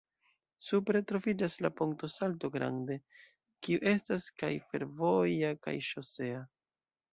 Supre troviĝas la Ponto Salto Grande, kiu estas kaj fervoja kaj ŝosea.